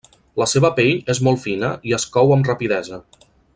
La seva pell és molt fina i es cou amb rapidesa.